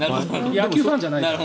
野球ファンじゃないから。